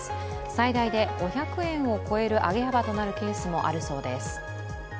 最大で５００円を超える上げ幅となるケースもあるそうです。